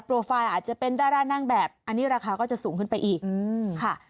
ไฟล์อาจจะเป็นดารานั่งแบบอันนี้ราคาก็จะสูงขึ้นไปอีกค่ะ